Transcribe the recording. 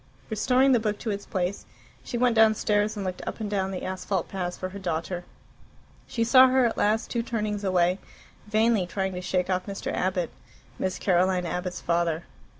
Restoring the book to its place, she went downstairs, and looked up and down the asphalt paths for her daughter. She saw her at last, two turnings away, vainly trying to shake off Mr. Abbott, Miss Caroline Abbott's father.